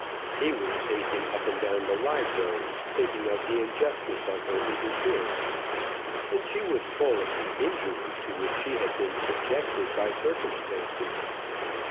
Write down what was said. He was pacing up and down the library, thinking of the injustice of her interference, and she was full of the injury to which she had been subjected by circumstances.